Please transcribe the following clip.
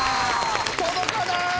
届かない！